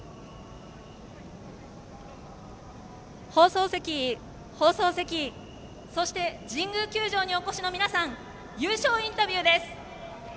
放送席、放送席そして神宮球場にお越しの皆さん優勝インタビューです。